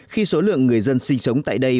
khi số lượng người dân sinh sống tại đây